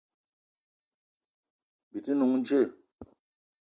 Bi te n'noung djeu?